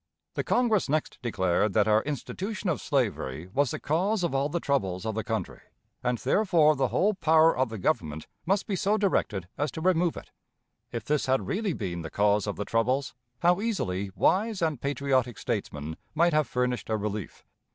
The Congress next declared that our institution of slavery was the cause of all the troubles of the country, and therefore the whole power of the Government must be so directed as to remove it. If this had really been the cause of the troubles, how easily wise and patriotic statesmen might have furnished a relief.